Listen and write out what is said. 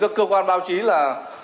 các cơ quan báo chí là